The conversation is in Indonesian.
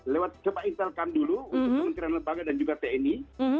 lewat ke pa intelcam dulu untuk kementerian lembaga dan juga tni